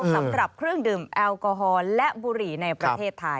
สำหรับเครื่องดื่มแอลกอฮอล์และบุหรี่ในประเทศไทย